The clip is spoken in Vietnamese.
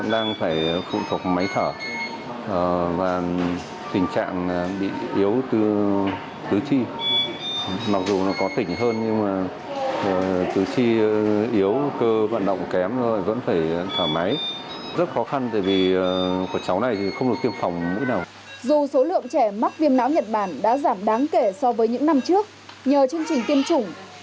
dù số lượng trẻ mắc viêm não nhật bản đã giảm đáng kể so với những năm trước nhờ chương trình tiêm chủng